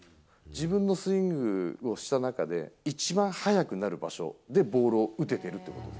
自分のスイングをした中で、一番速くなる場所でボールを打ててるってこと。